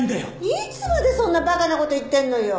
いつまでそんな馬鹿な事言ってんのよ。